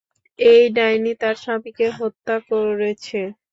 এই ডাইনি তার স্বামীকে হত্যা করেছে।